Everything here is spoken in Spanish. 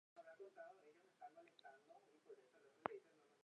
Participó dos veces en el Tour de Francia.